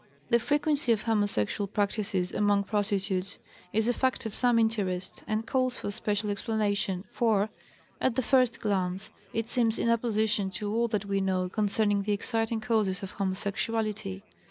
The frequency of homosexual practices among prostitutes is a fact of some interest, and calls for special explanation, for, at the first glance, it seems in opposition to all that we know concerning the exciting causes of homosexuality.